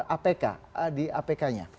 apk di apk nya